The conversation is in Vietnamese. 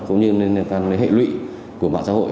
cũng như hệ lụy của mạng xã hội